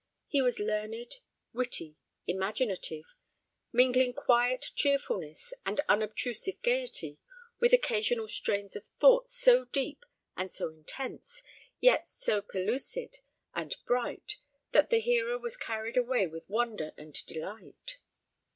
He was learned, witty, imaginative; mingling quiet cheerfulness and unobtrusive gaiety with occasional strains of thought so deep and so intense, yet so pellucid and bright, that the hearer was carried away with wonder and delight.